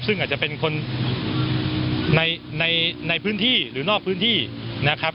ซึ่งอาจจะเป็นคนในพื้นที่หรือนอกพื้นที่นะครับ